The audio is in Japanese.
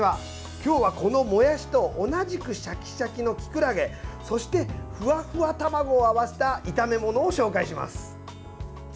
今日は、このもやしと同じくシャキシャキのきくらげそして、ふわふわ卵を合わせた炒め物を紹介します。